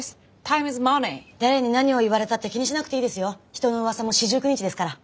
「人の噂も四十九日」ですから。